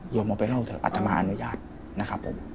เอาไปเล่าเถอะอัตมาอนุญาตนะครับผม